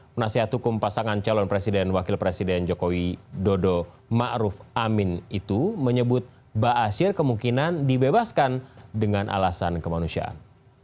penasihat hukum pasangan calon presiden wakil presiden jokowi dodo ma'ruf amin itu menyebut ba'asyir kemungkinan dibebaskan dengan alasan kemanusiaan